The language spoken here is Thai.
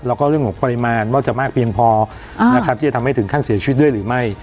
แล้วก็เรื่องของปริมาณว่าจะมากเพียงพอนะครับที่จะทำให้ถึงขั้นเสียชีวิตด้วยหรือไม่